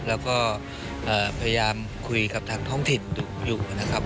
แล้วก็พยายามคุยกับทางท้องถิ่นอยู่นะครับ